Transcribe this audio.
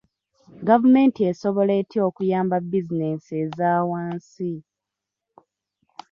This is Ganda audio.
Gavumenti esobola etya okuyamba bizinensi ezawansi?